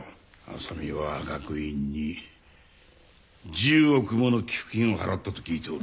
麻実は学院に１０億もの寄付金を払ったと聞いておる。